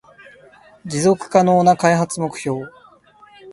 持続可能な開発目標